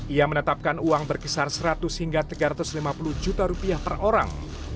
ia menetapkan uang berkisar seratus hingga tiga ratus lima puluh juta rupiah per orang